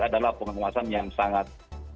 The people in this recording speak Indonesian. adalah pengawasan yang sangat